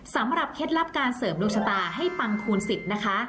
เคล็ดลับการเสริมดวงชะตาให้ปังคูณสิทธิ์นะคะ